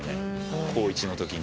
高１のときに。